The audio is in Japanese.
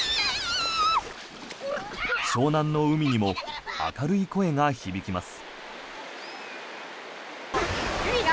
湘南の海にも明るい声が響きます。